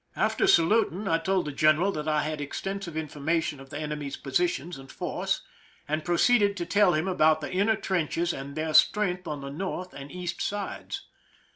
After saluiting, I told the general that I had extensive inf c>rmation of the enemy's positions and force, and proceeded to tell him about the inner trenches and their strength on the north and east sides..